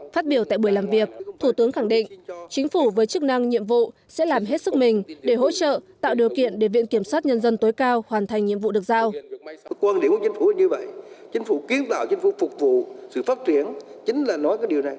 phát biểu tại buổi làm việc thủ tướng khẳng định chính phủ với chức năng nhiệm vụ sẽ làm hết sức mình để hỗ trợ tạo điều kiện để viện kiểm sát nhân dân tối cao hoàn thành nhiệm vụ được giao